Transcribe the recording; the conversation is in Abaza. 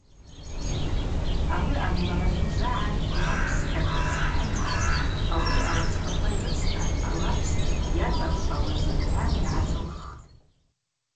Ауи анлыгӏзуз агӏан лапс хьашӏыцкӏ хӏыман, ауи аласпаква йрыцта, алапс йацӏачвауа зын-гӏван йгӏацӏылххтӏ.